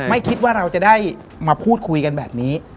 ไม่คิดว่าเราจะได้มาพูดคุยกันแบบนี้